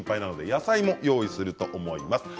野菜も用意すると思います。